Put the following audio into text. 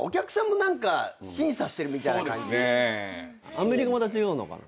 アメリカまた違うのかな？